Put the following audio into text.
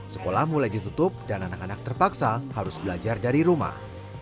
sekolah mulai ditutup dan anak anak terpaksa harus belajar dari rumah